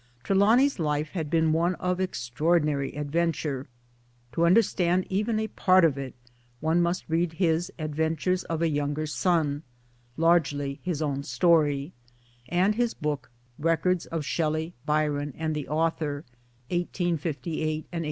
Trelawny 's life had been one of extraordinary adventure. To understand even a part of it one must read his Adventures of a Younger Son (largely his own story), and his book Records of Shelley, Byron, and the Author (1858 and 1878).